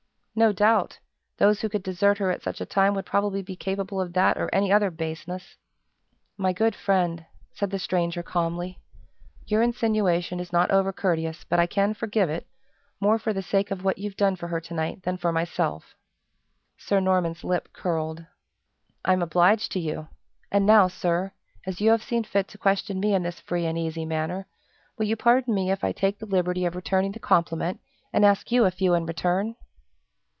"No doubt! Those who could desert her at such a time would probably be capable of that or any other baseness!" "My good friend," said the stranger, calmly, "your insinuation is not over courteous, but I can forgive it, more for the sake of what you've done for her to night than for myself." Sir Norman's lip curled. "I'm obliged to you! And now, sir, as you have seen fit to question me in this free and easy manner, will you pardon me if I take the liberty of returning the compliment, and ask you a few in return?"